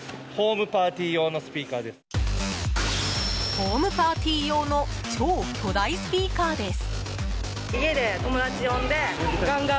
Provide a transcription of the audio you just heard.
ホームパーティー用の超巨大スピーカーです。